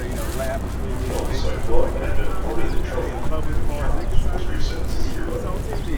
Once a club had been awarded the trophy, the count was reset to zero.